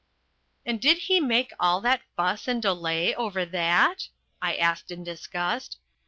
"And did he make all that fuss and delay over that?" I asked in disgust.